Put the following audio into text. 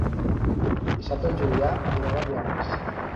Dissabte en Julià anirà a Belianes.